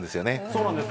そうなんです。